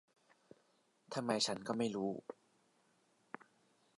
ทำไมฉันก็ไม่รู้